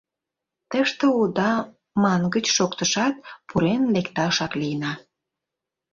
Тыште улыда мангыч шоктышат, пурен лекташак лийна.